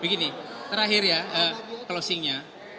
begini terakhir ya closingnya